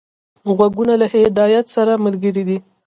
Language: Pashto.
غوږونه له هدایت سره ملګري دي